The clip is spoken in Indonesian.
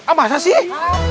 ah masa sih